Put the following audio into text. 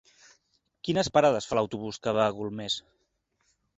Quines parades fa l'autobús que va a Golmés?